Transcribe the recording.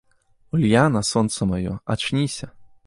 Ульяна, сонца маё, ачніся!